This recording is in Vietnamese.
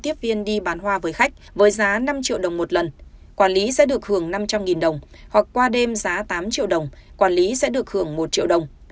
quản lý có tiết viên đi bán hoa với khách với giá năm triệu đồng một lần quản lý sẽ được hưởng năm trăm linh nghìn đồng hoặc qua đêm giá tám triệu đồng quản lý sẽ được hưởng một triệu đồng